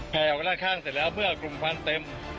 แผลออกมาด้านข้างเสร็จแล้วเมื่อกลุ่มควันเต็ม